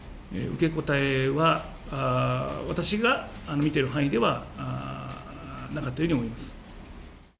受け答えは、私が見ている範囲ではなかったように思います。